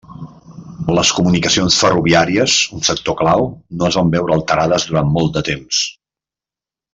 Les comunicacions ferroviàries, un sector clau, no es van veure alterades durant molt temps.